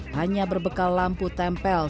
hanya berbekal lampu tempel